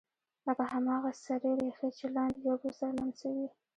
لکه هماغه سرې ریښې چې لاندې یو بل سره لمسوي